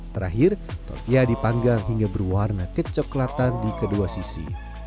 terakhir tortilla dipanggang hingga berwarna kecoklatan di kedua sisi